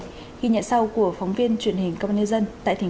ghi nhận sau của phóng viên truyền hình công an nhân dân tại tp hcm